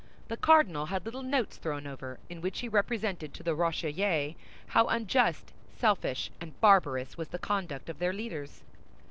The cardinal had little notes thrown over in which he represented to the Rochellais how unjust, selfish, and barbarous was the conduct of their leaders.